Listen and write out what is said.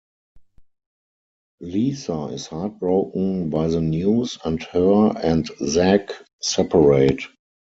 Lisa is heartbroken by the news, and her and Zak separate.